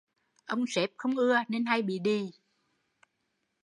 Ông sếp không ưa nên hay bị đì